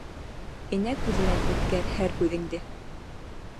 Энә күҙенән үткәр һәр һүҙеңде.